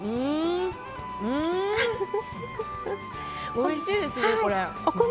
おいしいですね、これ。